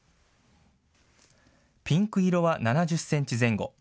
ピンク色は７０センチ前後。